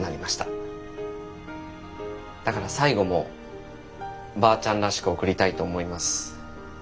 だから最後もばあちゃんらしく送りたいと思います。